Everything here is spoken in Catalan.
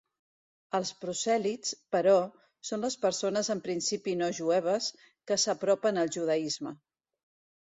Els prosèlits, però, són les persones en principi no jueves que s'apropen al judaisme.